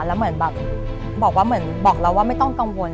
แล้วเหมือนแบบบอกว่าเหมือนบอกเราว่าไม่ต้องกังวล